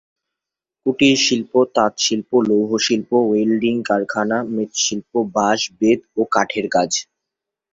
কুটিরশিল্প তাঁতশিল্প, লৌহশিল্প, ওয়েল্ডিং কারখানা, মৃৎশিল্প, বাঁশ, বেত ও কাঠের কাজ।